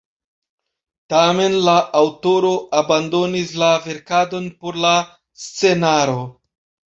Tamen la aŭtoro abandonis la verkadon por la scenaro.